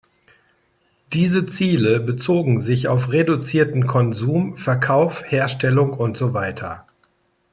Diese Ziele bezogen sich auf reduzierten Konsum, Verkauf, Herstellung und so weiter.